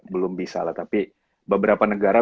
belum bisa lah tapi beberapa negara